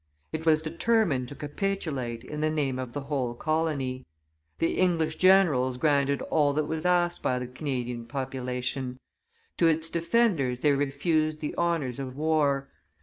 It was determined to capitulate in the name of the whole colony. The English generals granted all that was asked by the Canadian population; to its defenders they refused the honors of war.